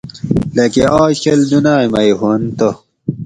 لکہ آج کل دُنائ مئ ہوانت تہ